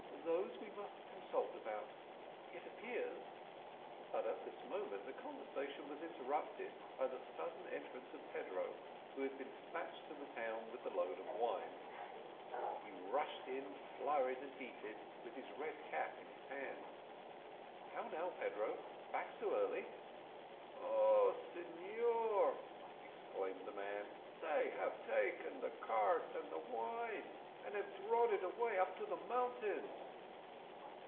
"Those we must now consult about. It appears" but at this moment the conversation was interrupted by the sudden entrance of Pedro, who had been despatched to the town with the load of wine. He rushed in, flurried and heated, with his red cap in his hand. "How now, Pedro, back so early!" "O signor!" exclaimed the man "they have taken the cart and the wine, and have drawn it away up to the mountains."